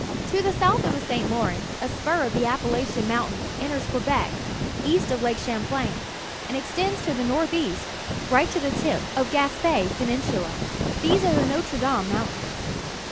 To the south of the St. Lawrence a spur of the Appalachian Mountait^s enters Quebec east of Lake Champlain and extends to the north east right to the tip of Gaspe Penin sula. These are the Noire Dame Mountains.